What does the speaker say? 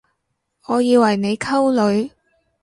我以為你溝女